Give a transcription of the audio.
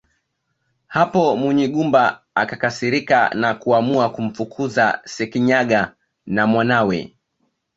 Hapo Munyigumba akakasirika na kuamua kumfukuza Sekinyaga na mwanawe